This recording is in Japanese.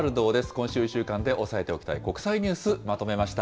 今週１週間で押さえておきたい国際ニュース、まとめました。